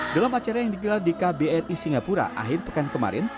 dalam acara yang digelar di kbri singapura akhir pekan kemarin